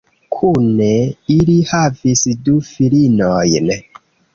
Kune ili havis du filinojn.